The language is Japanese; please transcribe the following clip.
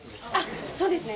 そうですね。